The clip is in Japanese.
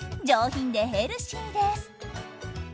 上品でヘルシーです。